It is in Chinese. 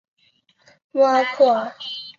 穆阿库尔。